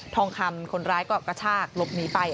ทองคำคนร้ายก็กระชากหลบหนีไป